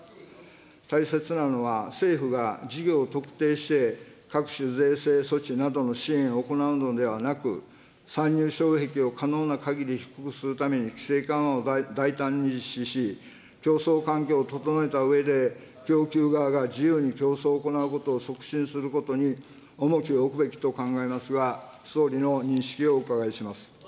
大切なのは、政府が事業を特定して、各種税制措置などの支援を行うのではなく、参入障壁を可能なかぎり低くするために、規制緩和を大胆に実施し、競争環境を整えたうえで、供給側が自由に競争を行うことを促進することに重きを置くべきと考えますが、総理の認識をお伺いします。